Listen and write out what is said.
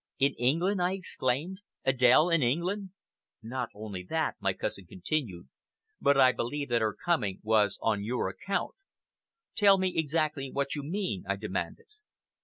"In England!" I exclaimed. "Adèle in England!" "Not only that," my cousin continued, "but I believe that her coming was on your account." "Tell me exactly what you mean," I demanded.